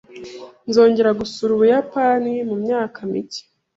Nzongera gusura Ubuyapani mumyaka mike